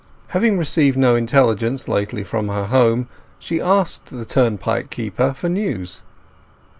Having received no intelligence lately from her home, she asked the turnpike keeper for news.